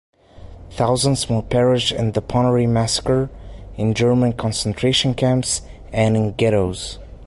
Thousands more perished in the Ponary massacre, in German concentration camps, and in ghettos.